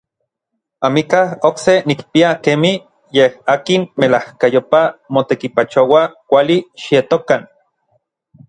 Amikaj okse nikpia kemij n yej akin melajkayopaj motekipachoua kuali xietokan.